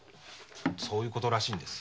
そういうことらしいんです。